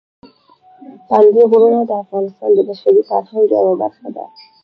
پابندي غرونه د افغانستان د بشري فرهنګ یوه برخه ده.